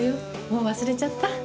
もう忘れちゃった？